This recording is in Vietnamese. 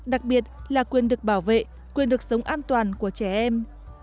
đặc biệt là quyền được bảo vệ quyền được sống an toàn của trẻ em